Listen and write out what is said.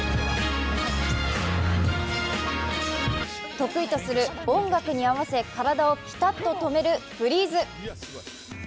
得意とする音楽に合わせ体をピタッと止めるフリーズ。